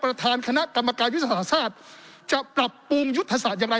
ประธานคณะกรรมการยุทธศาสตร์จะปรับปรุงยุทธศาสตร์อย่างไร